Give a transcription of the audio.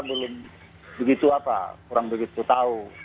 jadi perlu pencerahan pencerahan ataupun arahan dari tim kuasa hukum kita